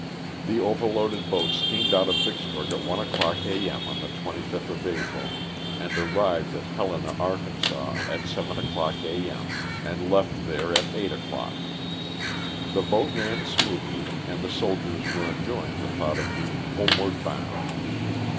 The overloaded boat steamed out of Vicks burg at one o'clock A. m., on the 25th of April and arrived at Helena, Ark., at seven o'clock a. m., and left there at eight o'clock. The boat ran smoothly and the soldiers were enjoying the thought of being homeward bound.